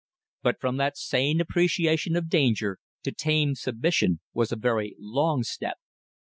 But from that sane appreciation of danger to tame submission was a very long step.